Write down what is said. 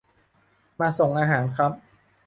มาส่งอาหารครับ